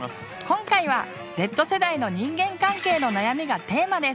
今回はＺ世代の人間関係の悩みがテーマです。